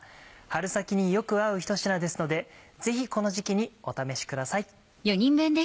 春先によく合うひと品ですのでぜひこの時期にお試しください。